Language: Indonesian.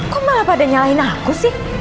kok malah pada nyalahin aku sih